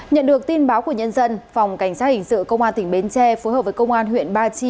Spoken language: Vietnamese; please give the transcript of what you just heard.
nhận được tin báo của nhân dân phòng cảnh sát hình sự công an tỉnh bến tre phối hợp với công an huyện ba chi